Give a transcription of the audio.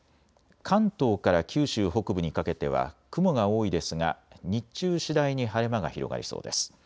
関東から九州北部にかけては雲が多いですが日中、次第に晴れ間が広がりそうです。